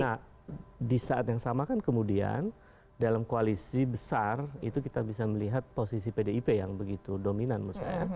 nah di saat yang sama kan kemudian dalam koalisi besar itu kita bisa melihat posisi pdip yang begitu dominan menurut saya